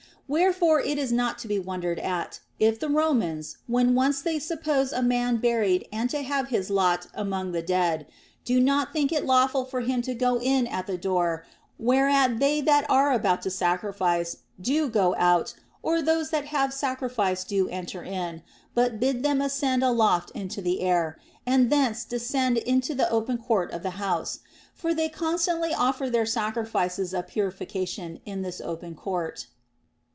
Wherefore it is not to be wondered at, if the Romans, when once they suppose a man buried and to have his lot among the dead, do not think it lawful for him to go in at the door whereat they that are about to sacrifice do go out or those that have sacrificed do enter in, but bid them ascend aloft into the air, and thence de scend into the open court of the house. For they con stantly offer their sacrifices of purification in this open court.